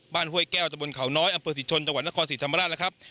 บ้านเว้ยแก้วตะบนเขาน้อยอำเภอสิทธิ์ชนจังหวัดนครสิทธิ์ธรรมราชนะครับ